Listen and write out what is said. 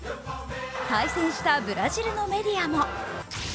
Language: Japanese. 対戦したブラジルのメディアも。